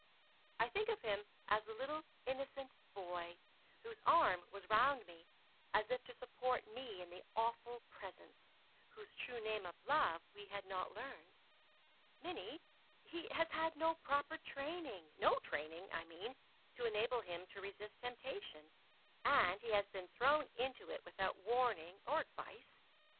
I think of him as the little innocent boy, whose arm was round me as if to support me in the Awful Presence, whose true name of Love we had not learned. Minnie! he has had no proper training no training, I mean, to enable him to resist temptation and he has been thrown into it without warning or advice.